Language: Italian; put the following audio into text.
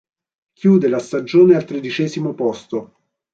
Chiude la stagione al tredicesimo posto.